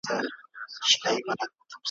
د خان کشري لور ژړل ویل یې پلاره `